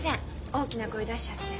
大きな声出しちゃって。